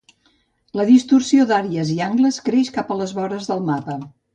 La distorsió d'àrees i angles creix cap a les vores del mapa.